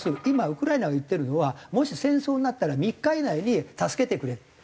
今ウクライナが言ってるのはもし戦争になったら３日以内に助けてくれ。